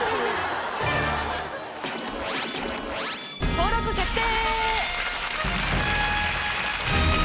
登録決定！